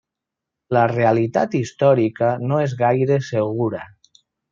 La realitat històrica no és gaire segura.